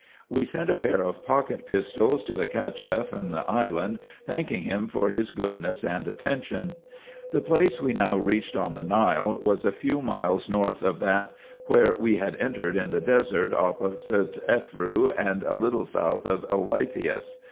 We sent a pair of pocket pistols to the Cacheff in the island, thanking him for his goodness and attention. The place we now reached on the Nile was a few miles north of Y Y 346 RESEARCHES AND OPERATIONS that where we had entered in the desert opposite Elfou, and a little south of Eleithias.